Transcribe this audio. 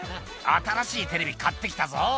「新しいテレビ買って来たぞ」